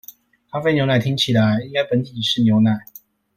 咖啡牛奶聽起來，應該本體是牛奶